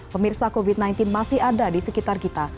pemirsa covid sembilan belas masih ada di sekitar kita